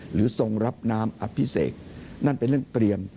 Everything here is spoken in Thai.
ทรงรับน้ำอภิเษกนั่นเป็นเรื่องเตรียม